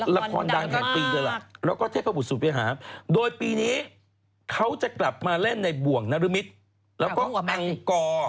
ลักษณ์ดังแห่งปีเดียวแหละแล้วก็เทพภูมิสุภิษภาพโดยปีนี้เขาจะกลับมาเล่นในบ่วงนรมิตแล้วก็อังกอ